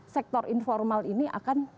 sektor informal ini akan